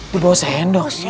di bawah sendok